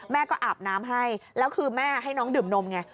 แม่ก็อาบน้ำให้แล้วคือแม่ให้น้องดื่มนมไง